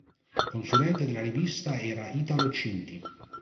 Consulente della rivista era Italo Cinti.